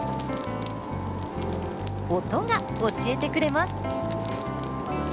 音が教えてくれます。